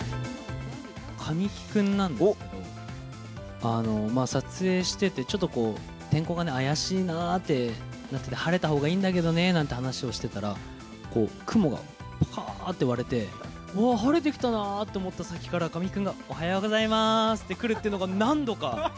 神木君なんですけど、撮影してて、ちょっとこう、天候がね、怪しいなあってなってて、晴れたほうがいいんだけどねなんて話をしてたら、雲がぱかーって割れて、わー、晴れてきたなと思った先から、神木君がおはようございますって来るっていうのが何度か。